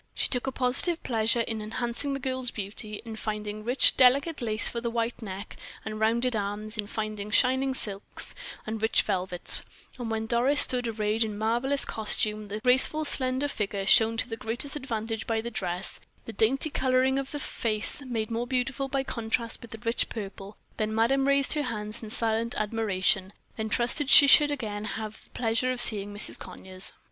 She took a positive pleasure in enhancing the girl's beauty, in finding rich, delicate lace for the white neck and rounded arms, in finding shining silks and rich velvets; and when Doris stood arrayed in marvelous costume, the graceful, slender figure shown to the greatest advantage by the dress the dainty coloring of the face made more beautiful by contrast with the rich purple, then madame raised her hands in silent admiration, then trusted she should again have the pleasure of seeing Mrs. Conyers.